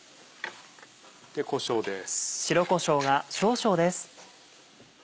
こしょうです。